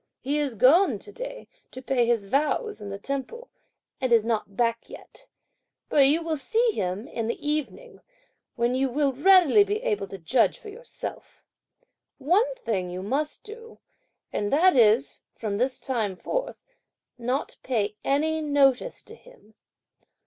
He is gone to day to pay his vows in the temple, and is not back yet, but you will see him in the evening, when you will readily be able to judge for yourself. One thing you must do, and that is, from this time forth, not to pay any notice to him.